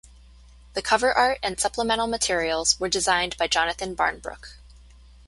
The cover art and supplemental materials were designed by Jonathan Barnbrook.